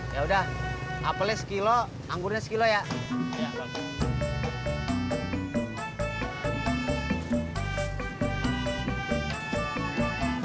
ya udah apalnya satu kilo anggurnya satu kilo ya